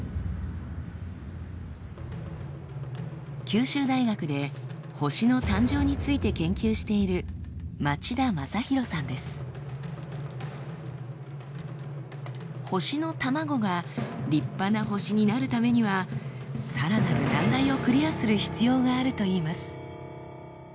九州大学で星の誕生について研究している星のタマゴが立派な星になるためにはさらなる難題をクリアする必要があるといいます。